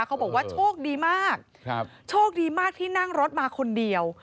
เขาบอกว่าโชคดีมากโชคดีมากที่นั่งรถมาคนเดียว